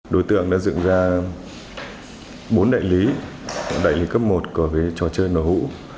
đối tượng đã dựng ra bốn đại lý đại lý cấp một của trò chơi nổ hũ